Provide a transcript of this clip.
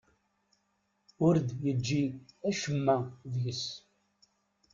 Ur d-yeǧǧi acemma deg-s.